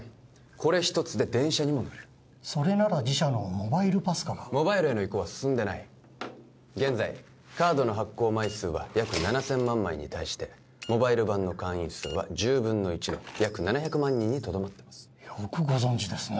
これ一つで電車にも乗れるそれなら自社のモバイルＰＡＳＣＡがモバイルへの移行は進んでない現在カードの発行枚数は約７０００万枚に対してモバイル版の会員数は１０分の１の約７００万人にとどまってますよくご存じですね